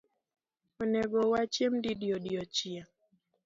Onego wachiem didi odiechieng’?